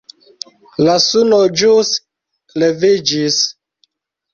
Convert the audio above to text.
La suno ĵus leviĝis.